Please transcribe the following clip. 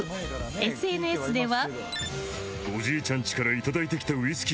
ＳＮＳでは。